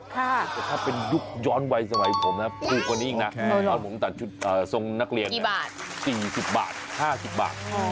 แต่ถ้าเป็นยุคย้อนวัยสมัยผมนะครูคนนี้อีกนะตอนผมตัดชุดทรงนักเรียน๔๐บาท๕๐บาท